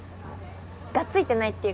がっついてないっていうか。